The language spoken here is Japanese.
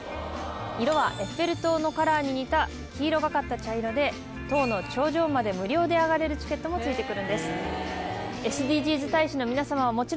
色はエッフェル塔のカラーに似た黄色がかった茶色で塔の頂上まで無料で上がれるチケットもついてくるんですＳＤＧｓ